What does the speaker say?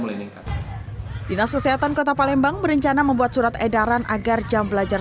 meningkat dinas kesehatan kota palembang berencana membuat surat edaran agar jam belajar